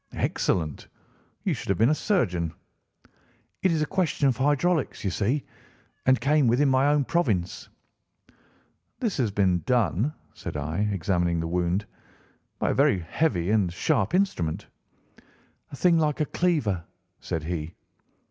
"Excellent! You should have been a surgeon." "It is a question of hydraulics, you see, and came within my own province." "This has been done," said I, examining the wound, "by a very heavy and sharp instrument." "A thing like a cleaver," said he.